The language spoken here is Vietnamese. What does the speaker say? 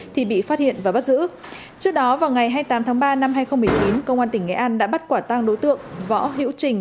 thì bị phát hiện và bắt giữ trước đó vào ngày hai mươi tám tháng ba năm hai nghìn một mươi chín công an tỉnh nghệ an đã bắt quả tang đối tượng võ hữu trình